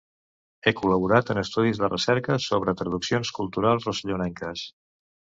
Ha col·laborat en estudis de recerca sobre tradicions culturals rosselloneses.